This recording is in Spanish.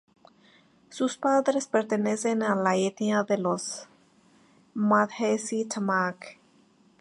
Sus padres pertenecen a la etnia de los madhesi-tamang.